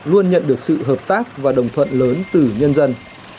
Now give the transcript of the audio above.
luôn nhận được sự hợp tác và đồng thuận lớn từ nhân dân